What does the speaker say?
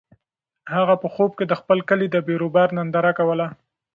هغه په خوب کې د خپل کلي د بیروبار ننداره کوله.